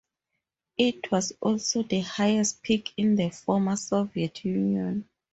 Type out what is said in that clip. It was also the highest peak in the former Soviet Union.